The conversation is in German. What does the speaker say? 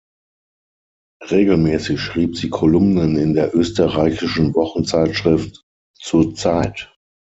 Regelmäßig schrieb sie Kolumnen in der österreichischen Wochenzeitschrift "Zur Zeit".